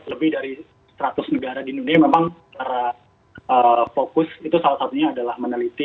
lebih dari seratus negara di dunia memang secara fokus itu salah satunya adalah meneliti